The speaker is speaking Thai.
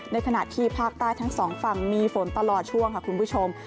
ในขณะที่ภาคใต้ทั้งสองฝั่งมีฝนตลอดช่วงค่ะคุณผู้ชม